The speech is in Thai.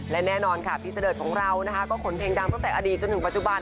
และแน่นอนค่ะพี่เสดิร์ดของเรานะคะก็ขนเพลงดังตั้งแต่อดีตจนถึงปัจจุบัน